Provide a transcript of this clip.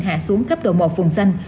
hạ xuống cấp độ một vùng xanh